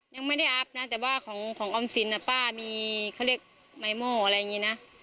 ยังไม่ได้อัพนะแต่ว่าของออมสินป้ามีเขาเรียกไมโม่อะไรอย่างนี้นะ